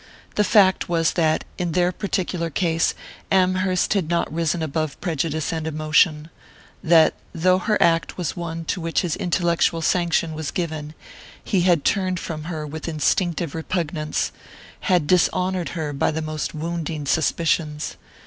The fact was that, in their particular case, Amherst had not risen above prejudice and emotion; that, though her act was one to which his intellectual sanction was given, he had turned from her with instinctive repugnance, had dishonoured her by the most wounding suspicions.